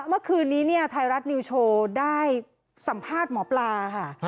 เมื่อคืนนี้เนี่ยไทยรัฐนิวโชว์ได้สัมภาษณ์หมอปลาค่ะ